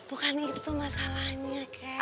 bukan itu masalahnya cat